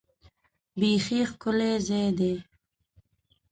بیخي ښکلی ځای دی .